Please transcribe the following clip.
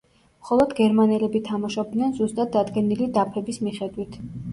მხოლოდ გერმანელები თამაშობდნენ ზუსტად დადგენილი დაფების მიხედვით.